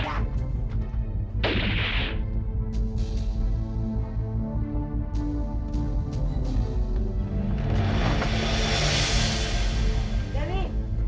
cepat lepaskan suasana bu